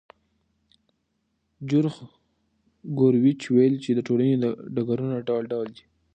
جورج ګوروویچ ویلي چې د ټولنې ډګرونه ډول ډول دي.